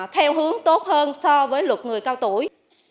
theo hướng tốt hơn so với luật người cao tuổi